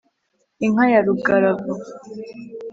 inka ya rugaravu